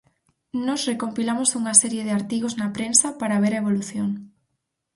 Nós recompilamos unha serie de artigos na prensa para ver a evolución.